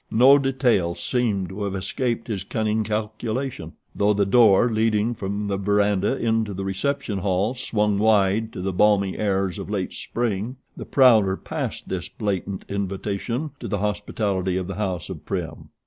No detail seemed to have escaped his cunning calculation. Though the door leading from the verandah into the reception hall swung wide to the balmy airs of late Spring the prowler passed this blatant invitation to the hospitality of the House of Prim.